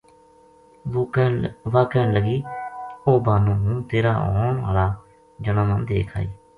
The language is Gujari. وَہ کہن لگی اوہ بانو ہوں تیرا ہون ہالا جنا نا دیکھ آئی